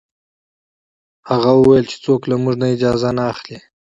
هغه وویل چې څوک له موږ نه اجازه نه اخلي.